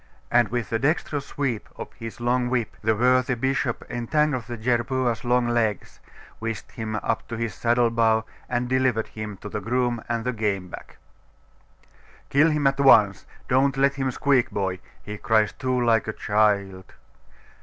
And with a dexterous sweep of his long whip, the worthy bishop entangled the jerboas long legs, whisked him up to his saddle bow, and delivered him to the groom and the game bag. 'Kill him at once. Don't let him squeak, boy! he cries too like a child....